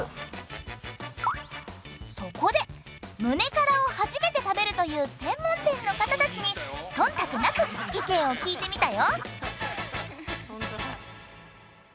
そこでむねからを初めて食べるという専門店の方たちに忖度なく意見を聞いてみたよ。